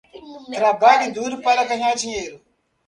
Trabalhe duro para ganhar dinheiro